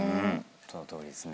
そのとおりですね。